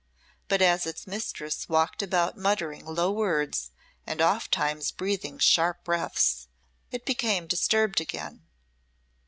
But as its mistress walked about muttering low words and ofttimes breathing sharp breaths, it became disturbed again.